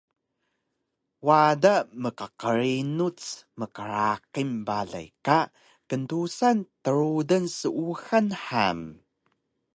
Wada tqqrinuc mqraqil balay ka kndusan rdrudan seuxal han